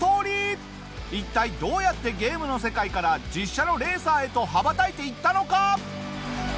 一体どうやってゲームの世界から実車のレーサーへと羽ばたいていったのか？